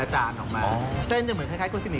ใช่